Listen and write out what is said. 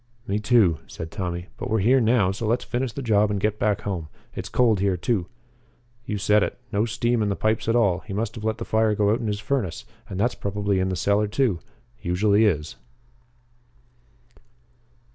"Me, too," said Tommy. "But we're here now, so let's finish the job and get back home. It's cold here, too." "You said it. No steam in the pipes at all. He must have let the fire go out in his furnace, and that's probably in the cellar too usually is."